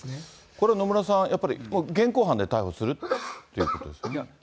これ、野村さん、やっぱり現行犯で逮捕するっていうことですよね。